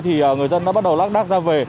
thì người dân đã bắt đầu lắc đắc ra về